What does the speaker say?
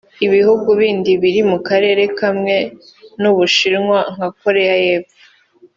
Ibihugu bindi biri mu Karere kamwe n’u Bushinwa nka Koreya y’Epfo